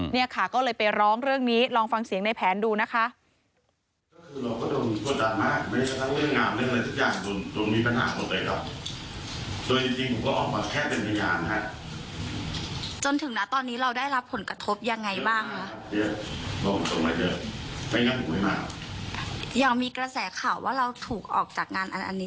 เนี่ยค่ะก็เลยไปร้องเรื่องนี้ลองฟังเสียงในแผนดูนะคะ